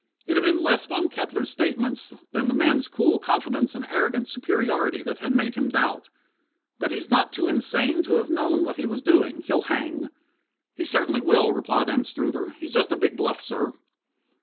It had been less Von Kettler's statements than the man's cool confidence and arrogant superiority that had made him doubt. "But he's not too insane to have known what he was doing. He'll hang." "He certainly will," replied Anstruther. "He's just a big bluff, sir."